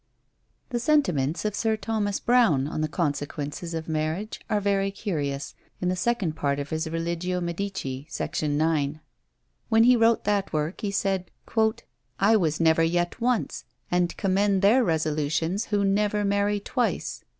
The sentiments of Sir Thomas Browne on the consequences of marriage are very curious, in the second part of his Religio Medici, sect, 9. When he wrote that work, he said, "I was never yet once, and commend their resolutions, who never marry twice."